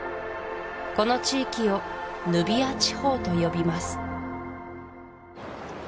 この地域をヌビア地方と呼びます